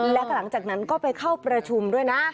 และหลังจากนั้นก็ไปเข้าประชุมด้วยนะ